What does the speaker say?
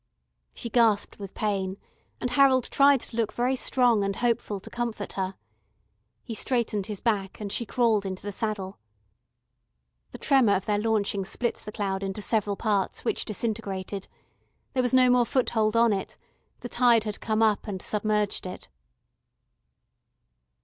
She gasped with pain, and Harold tried to look very strong and hopeful to comfort her. He straightened his back, and she crawled into the saddle. The tremor of their launching split the cloud into several parts, which disintegrated. There was no more foot hold on it; the tide had come up and submerged it.